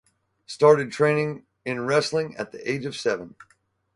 Started training in wrestling at the age of seven.